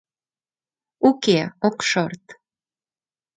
...Уке, ок шорт.